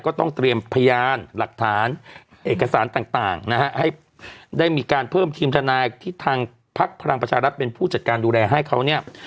ก็ต้องเตรียมพยานหลักฐานเอกสารต่างนะฮะให้ได้มีการเพิ่มทีมทนายที่ทางพักพลังประชารัฐเป็นผู้จัดการดูแลให้เขาเนี่ย